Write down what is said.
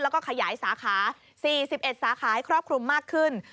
แล้วก็ขยายสาขา๔๑สาขาให้ครอบคลุมมากขึ้น